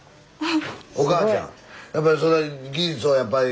はい。